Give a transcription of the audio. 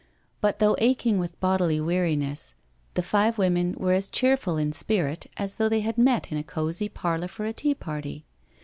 But though aching with bodily weariness, the five women were as cheerful in spirit as though they had met in a cosy parlour for a tea party.